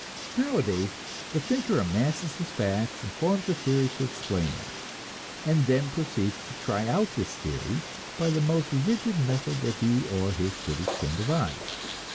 Nowadays the thinker amasses his facts, and forms a theory to explain them, and then proceeds to try out this theory by the most rigid method that he or his critics can devise.